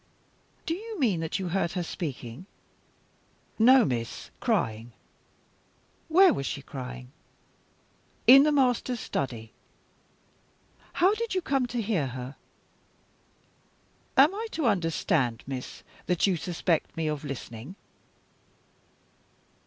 "Do you mean that you heard her speaking?" "No, miss crying." "Where was she crying?" "In the master's study." "How did you come to hear her?" "Am I to understand, miss, that you suspect me of listening?"